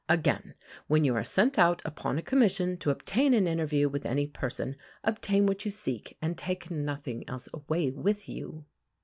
Again, when you are sent out upon a commission to obtain an interview with any person, obtain what you seek and take nothing else away with you.